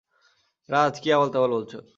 রাজ, কি আবোল-তাবোল বলছো।